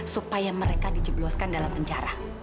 supaya mereka dijebloskan dalam penjara